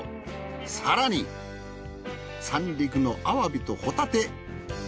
更に三陸のアワビとホタテ。